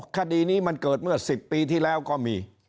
คดีนี้มันเกิดเมื่อ๑๐ปีที่แล้วก็มี